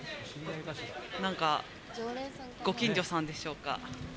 なんかご近所さんでしょうか。